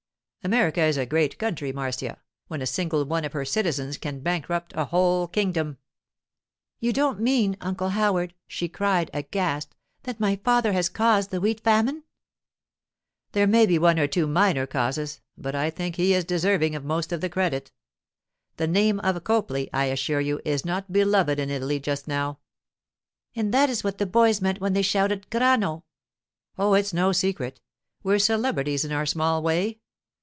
America is a great country, Marcia, when a single one of her citizens can bankrupt a whole kingdom.' 'You don't mean, Uncle Howard,' she cried, aghast, 'that my father has caused the wheat famine?' 'There may be one or two minor causes, but I think he is deserving of most of the credit. The name of Copley, I assure you, is not beloved in Italy just now.' 'And that is what the boys meant when they shouted "Grano"?' 'Oh, it's no secret. We're celebrities in our small way.